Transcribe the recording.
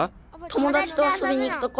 友だちとあそびに行くとこ。